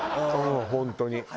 「本当に。